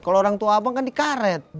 kalau orang tua abang kan dikaret